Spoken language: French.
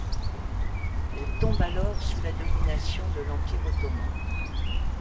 Elle tombe alors sous la domination de l'Empire ottoman.